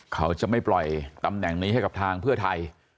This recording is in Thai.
เขาจะไม่ปล่อยตำแหน่งนี้ให้กับทางเพื่อไทย